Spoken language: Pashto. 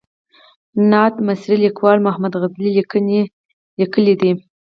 نامت مصري لیکوال محمد غزالي لیکنې کړې دي.